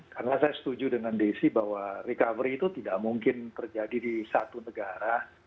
karena saya setuju dengan desi bahwa recovery itu tidak mungkin terjadi di satu negara